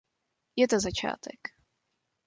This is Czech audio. Je to začátek.